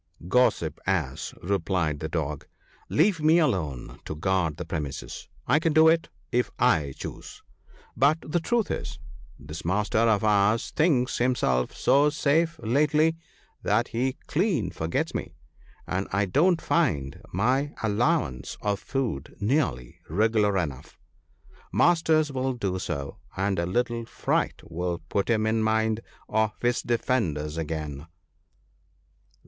"Gossip Ass," replied the Dog, "leave me alone to guard the premises. I can do it, if I choose; but the truth is, this master of ours thinks himself so safe lately that he clean forgets me, and I don't find my allowance of food nearly regular enough. Masters will do so ; and THE PARTING OF FRIENDS. 6l a little fright will put him in mind of his defenders again."